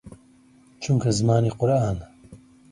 چونکە زمانی قورئانە